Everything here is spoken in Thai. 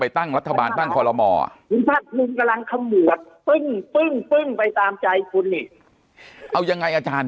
คุณท่านกำลังขมวดปึ้งปึ้งปึ้งไปตามใจคุณเนี้ยเอายังไงอาจารย์